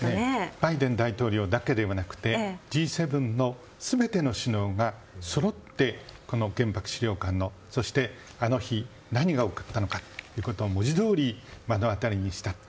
バイデン大統領だけではなくてＧ７の全ての首脳がそろってこの原爆資料館をそして、あの日何が起こったのかということを文字どおり目の当たりにしたと。